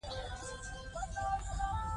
دښمن به له ویرې تښتېدلی وو.